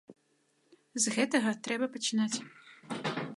З гэтага трэба пачынаць.